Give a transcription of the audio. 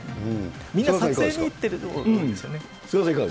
みんな撮影に行ってるんですよね。